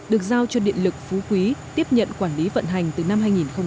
được giao cho điện lực phú quý tiếp nhận quản lý vận hành từ năm hai nghìn một mươi